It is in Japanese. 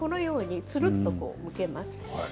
つるっとむけます。